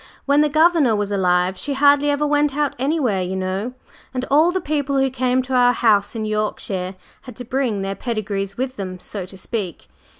When the governor was alive she hardly ever went out anywhere, you know, and all the people who came to our house in Yorkshire had to bring their pedigrees with them, so to speak.